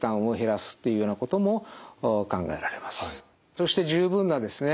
そして十分なですね